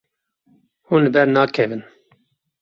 Hûn li ber nakevin.